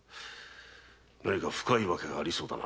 何か深いわけがありそうだな。